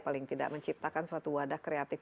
paling tidak menciptakan suatu wadah kreatif